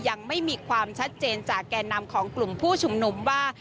ยังไม่มีความชัดเจนจากแก่นำของกลุ่มผู้ชุมนุมว่า